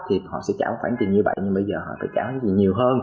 thì họ sẽ trả khoản tiền như vậy nhưng bây giờ họ phải trả khoản tiền nhiều hơn